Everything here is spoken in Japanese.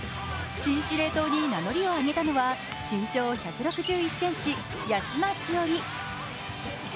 新指令塔に名乗りを上げたのは身長１６１ｃｍ安間志織。